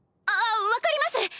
あっ分かります。